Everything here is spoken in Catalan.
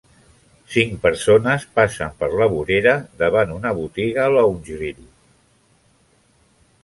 Cinc persones passen per la vorera davant una botiga LoungeGrill.